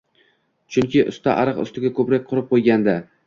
Chunki usta ariq ustiga ko`prik qurib qo`ygandi